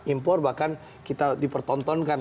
impor bahkan kita dipertontonkan